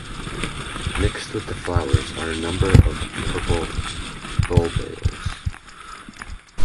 Mixed with the flowers are a number of purple bulbils.